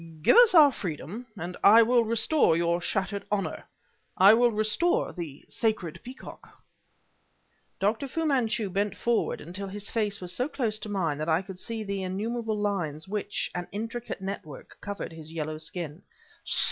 "Give us our freedom, and I will restore your shattered honor I will restore the sacred peacock!" Dr. Fu Manchu bent forward until his face was so close to mine that I could see the innumerable lines which, an intricate network, covered his yellow skin.